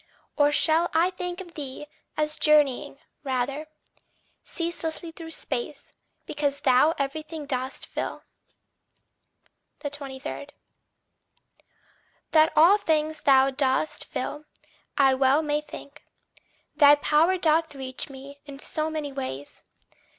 Or shall I think of thee as journeying, rather, Ceaseless through space, because thou everything dost fill? 23. That all things thou dost fill, I well may think Thy power doth reach me in so many ways.